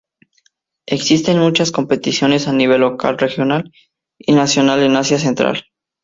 Existen muchas competiciones a nivel local regional y nacional en Asia Central.